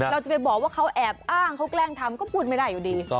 เราจะไปบอกว่าเขาแอบอ้างเขาแกล้งทำก็พูดไม่ได้อยู่ดี